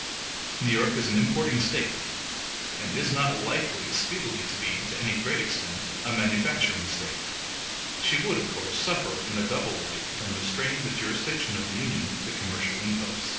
New York is an importing State, and is not likely speedily to be, to any great extent, a manufacturing State. She would, of course, suffer in a double light from restraining the jurisdiction of the Union to commercial imposts.